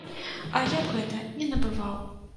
А я б гэта не набываў!